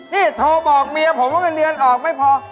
นี่โทรบอกเมียผมว่าเงินเดือนออกไม่พอ